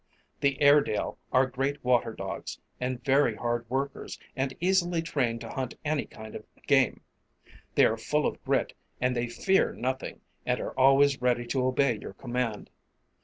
The airedale are great water dogs and very hard workers and easily trained to hunt any kind of game. They are full of grit and they fear nothing and are always ready to obey your command.